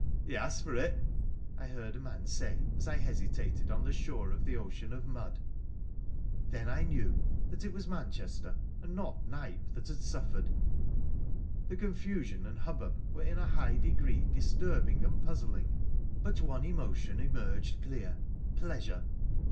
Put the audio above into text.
"He asked for it!" I heard a man say as I hesitated on the shore of the ocean of mud. Then I knew that it was Manchester and not Knype that had suffered. The confusion and hubbub were in a high degree disturbing and puzzling. But one emotion emerged clear: pleasure.